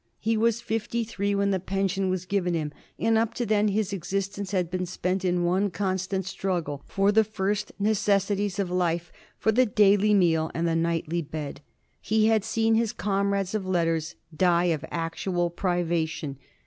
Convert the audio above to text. He was fifty three when the pension was given him, and up to then his existence had been spent in one constant struggle for the first necessities of life, for the daily meal and the nightly bed. He had seen his comrades of letters die of actual privation.